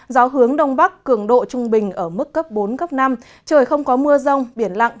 gió hướng đông bắc cường độ trung bình ở mức cấp bốn cấp năm trời không có mưa rông biển lặng